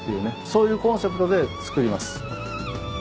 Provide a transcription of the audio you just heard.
そういうコンセプトで作ります。